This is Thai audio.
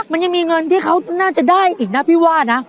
มันยังมีเงินที่เขาน่าจะได้อีกนะพี่ว่านะ